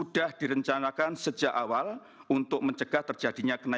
dan lembaga dan kesejahteraan